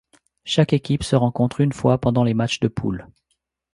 Chaque équipe se rencontre une fois pendant les matchs de poule.